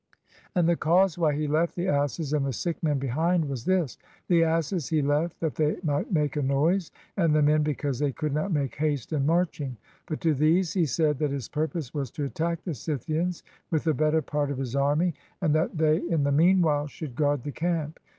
And the cause why he left the asses and the sick men behind was this : the asses he left that they might make a noise, and the men because they could not make haste in marching. But to these he said that his purpose was to attack the Scythians with the better part of his army, and that they in the mean while should guard the camp.